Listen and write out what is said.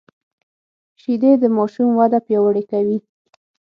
شیدې د ماشوم وده پیاوړې کوي